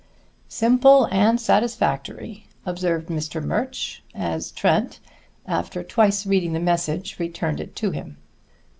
"Simple and satisfactory," observed Mr. Murch as Trent, after twice reading the message, returned it to him.